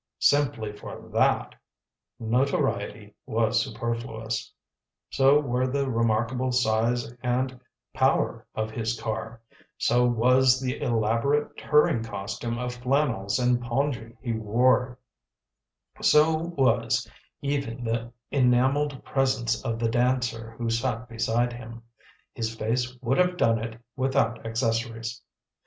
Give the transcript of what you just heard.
Simply for THAT, notoriety was superfluous; so were the remarkable size and power of his car; so was the elaborate touring costume of flannels and pongee he wore; so was even the enamelled presence of the dancer who sat beside him. His face would have done it without accessories.